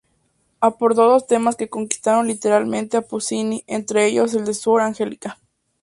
Aportó dos temas que conquistaron literalmente a Puccini, entre ellos el de "Suor Angelica".